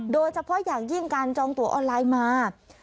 โดยเฉพาะอย่างยิ่งการจองตัวออนไลน์มา